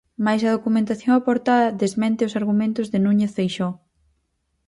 Máis a documentación aportada desmente os argumentos de Núñez Feixóo.